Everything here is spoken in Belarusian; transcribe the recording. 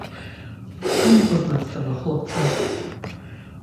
І не пазнаць стала хлапца.